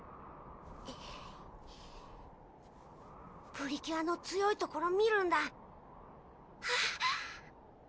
プリキュアの強いところ見るんだ！